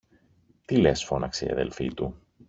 Τι λες! φώναξε η αδελφή του.